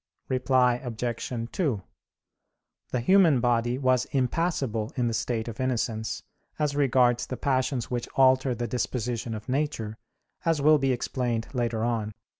Reply Obj. 2: The human body was impassible in the state of innocence as regards the passions which alter the disposition of nature, as will be explained later on (Q.